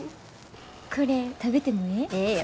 これ食べてもええ？